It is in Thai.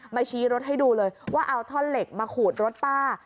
ชี้รถให้ดูเลยว่าเอาท่อนเหล็กมาขูดรถป้า